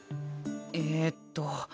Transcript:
えっと。